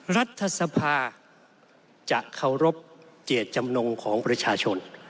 รัฐสภาจะเคารพเจตจำนงของประชาชน